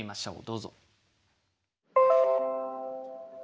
どうぞ。